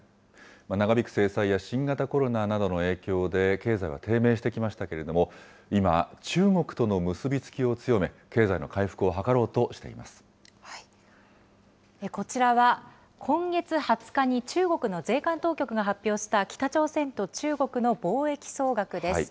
長引く制裁や新型コロナなどの影響で、経済は低迷してきましたけれども、今、中国との結び付きを強め、経済の回復を図ろうとしてこちらは、今月２０日に中国の税関当局が発表した北朝鮮と中国の貿易総額です。